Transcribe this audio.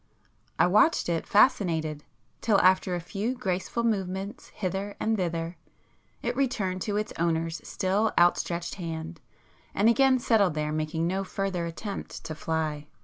I watched it fascinated, till after a few graceful movements hither and thither, it returned to its owner's still outstretched hand, and again settled there making no further attempt to fly.